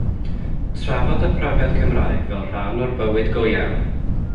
Trafod y profiad Cymraeg fel rhan o'r byd go-iawn.